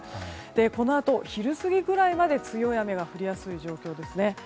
このあと昼過ぎくらいまで強い雨が降りやすい状況ですね。